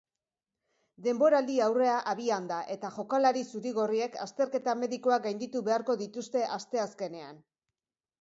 Denboraldi-aurrea abian da eta jokalari zuri-gorriek azterketa medikoak gainditu beharko dituzte asteazkenean.